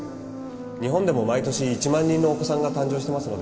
日本でも毎年１万人のお子さんが誕生してますので